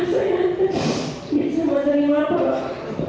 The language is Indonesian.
saya bisa menerima perakuan